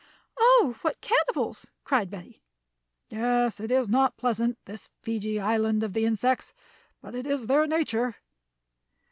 "Oh, what cannibals!" cried Betty. "Yes, it is not pleasant, this Fiji Island of the insects, but it is their nature."